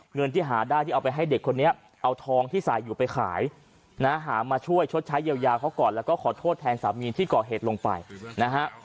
เงินที่หาได้ที่เอาไปให้เด็กคนนี้เอาทองที่ใส่อยู่ไปขายนะฮะหามาช่วยชดใช้เยียวยาเขาก่อนแล้วก็ขอโทษแทนสามีที่ก่อเหตุลงไปนะฮะ